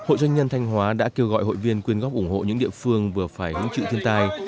hội doanh nhân thanh hóa đã kêu gọi hội viên quyên góp ủng hộ những địa phương vừa phải hứng chịu thiên tai